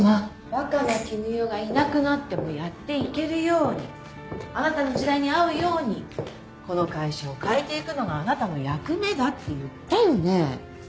若菜絹代がいなくなってもやっていけるようにあなたの時代に合うようにこの会社を変えていくのがあなたの役目だって言ったよね